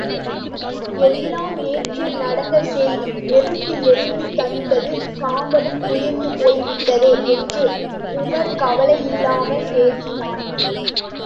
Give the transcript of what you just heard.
எல்லாம் நேற்று நடந்தசெய்தி, நெருப்பு எரிந்து தணிந்து, சாம்பலும் குளிர்ந்து போய்விட்டதே! என்று உமார் கவலையில்லாமல் பேசினான்.